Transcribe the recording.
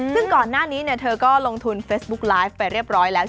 ซึ่งก่อนหน้านี้เธอก็ลงทุนเฟซบุ๊กไลฟ์ไปเรียบร้อยแล้ว